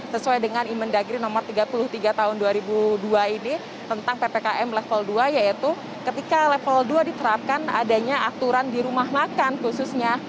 sesuai dengan imen dagri nomor tiga puluh tiga tahun dua ribu dua ini tentang ppkm level dua yaitu ketika level dua diterapkan adanya aturan di rumah makan khususnya